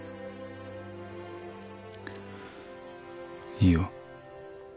いいよ